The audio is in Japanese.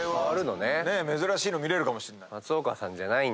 珍しいの見れるかもしれない。